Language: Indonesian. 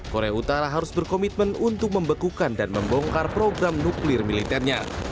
korea utara harus berkomitmen untuk membekukan dan membongkar program nuklir militernya